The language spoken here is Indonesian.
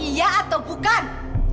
iya atau bukan